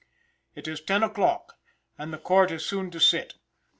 It is 10 o'clock, and the court is soon to sit.